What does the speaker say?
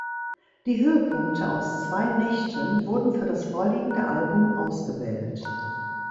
Die Höhepunkte aus zwei Nächten wurden für das vorliegende Album ausgewählt.